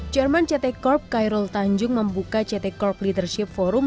jerman ct corp kairul tanjung membuka ct corp leadership forum